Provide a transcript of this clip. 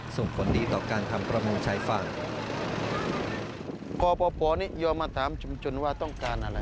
ส่วนข้นดีต่อการทำประมงชายฝั่ง